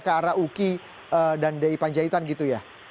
ke arah uki dan d i panjaitan gitu ya